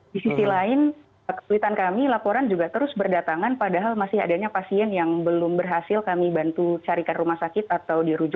di sisi lain kesulitan kami laporan juga terus berdatangan padahal masih adanya pasien yang belum berhasil kami bantu carikan rumah sakit atau dirujuk